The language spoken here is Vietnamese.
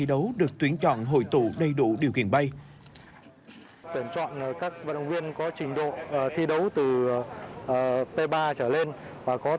các vận động viên tham gia thi đấu được tuyến chọn hội tụ đầy đủ điều kiện bay